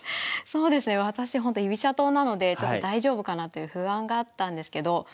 そうですね私ほんと居飛車党なのでちょっと大丈夫かなという不安があったんですけど